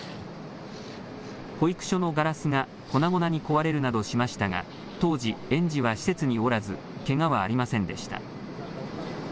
保育所のガラスが粉々に壊れるなどしましたが当時、園児は施設におらずけがはありませんでした。